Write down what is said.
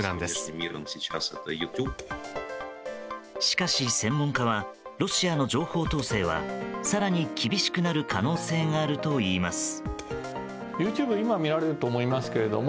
しかし、専門家はロシアの情報統制は更に厳しくなる可能性があるといいます。